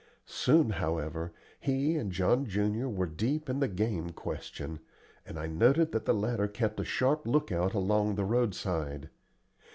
Soon, however, he and John junior were deep in the game question, and I noted that the latter kept a sharp lookout along the roadside.